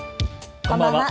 こんばんは。